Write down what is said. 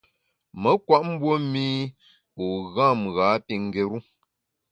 Me nkwet mbue mî u gham ghâ pi ngéru.